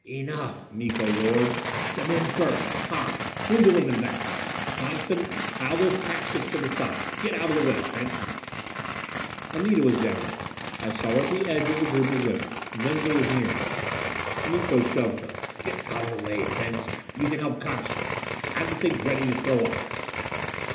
"Enough!" Miko roared. "The men first. Hahn, move the women back! Coniston, pile those caskets to the side. Get out of the way, Prince." Anita was down there. I saw her at the edge of the group of women. Venza was near her. Miko shoved her. "Get out of the way, Prince. You can help Coniston. Have the things ready to throw off."